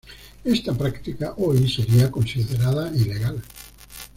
Esta práctica, hoy sería considerada ilegal.